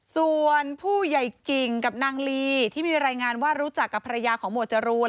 ส่วนผู้ใหญ่กิ่งกับนางลีที่มีรายงานว่ารู้จักกับภรรยาของหวดจรูน